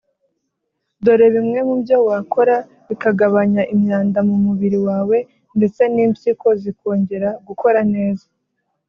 Dore bimwe mu byo wakora bikagabanya imyanda mu mubiri wawe ndetse n’impyiko zikongera gukora neza